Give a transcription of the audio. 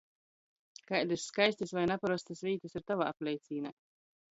Kaidys skaistys voi naparostys vītys ir tovā apleicīnē?